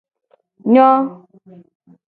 Nyo.